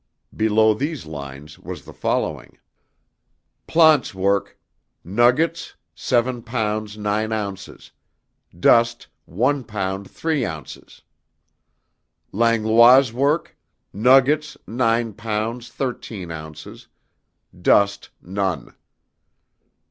Below these lines was the following: "Plante's work: nuggets, 7 pounds, nine ounces; dust, 1 pound, 3 ounces. Langlois' work: nuggets, 9 pounds, 13 ounces; dust, none.